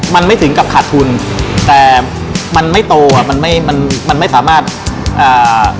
มันไม่ถึงกับขาดทุนแต่มันไม่โตอ่ะมันไม่มันมันไม่สามารถอ่า